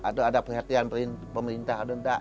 atau ada perhatian pemerintah atau enggak